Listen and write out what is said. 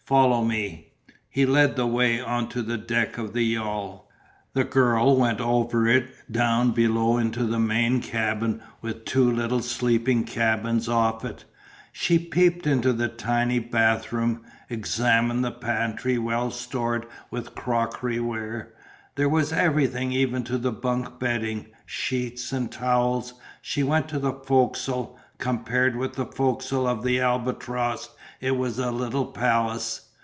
Follow me." He led the way on to the deck of the yawl. The girl went over it down below into the main cabin with two little sleeping cabins off it. She peeped into the tiny bath room, examined the pantry well stored with crockeryware, there was everything even to the bunk bedding, sheets and towels, she went to the fo'c'sle; compared with the fo'c'sle of the Albatross it was a little palace.